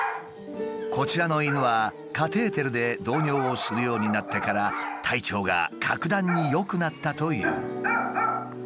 こちらの犬はカテーテルで導尿をするようになってから体調が格段に良くなったという。